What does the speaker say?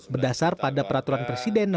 berdasar pada peraturan bppjs kesehatan